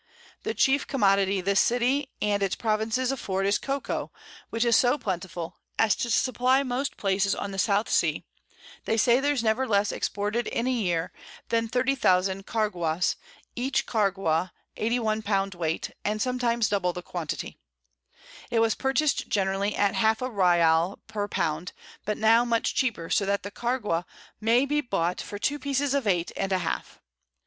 The chief Commodity this City and its Province afford is Cocoa, which is so plentiful, as to supply most Places on the South Sea; they say there's never less exported in a Year than 30000 Cargaus, each Cargau 81 Pound Weight, and sometimes double the Quantity: It was purchas'd generally at half a Ryal per Pound, but now much cheaper, so that the Cargau may be bought for 2 Pieces of Eight and a half.